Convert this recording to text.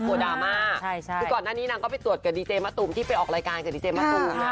ดราม่าคือก่อนหน้านี้นางก็ไปตรวจกับดีเจมะตูมที่ไปออกรายการกับดีเจมะตูม